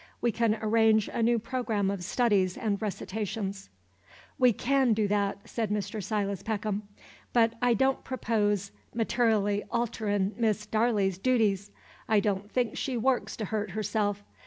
We can arrange a new programme of studies and recitations." "We can do that," said Mr. Silas Peckham. "But I don't propose mater'lly alterin' Miss Darley's dooties. I don't think she works to hurt herself.